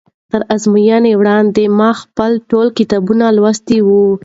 تر ازموینې وړاندې ما خپل ټول کتابونه لوستي وو.